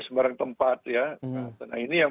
sembarang tempat ya nah ini yang